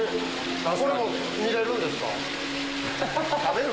これも見れるんですか？